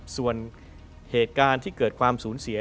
ส่วนเหตุการณ์ที่เกิดความสูญเสีย